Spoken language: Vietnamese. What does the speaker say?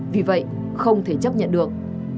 vì vậy không thể chấp nhận được